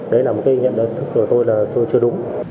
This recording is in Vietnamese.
đấy là một cái nhận thức của tôi là tôi chưa đúng